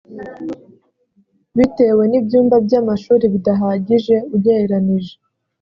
bitewe n ibyumba by amashuri bidahagije ugereranije